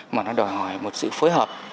mà nó đòi hỏi một sự phối hợp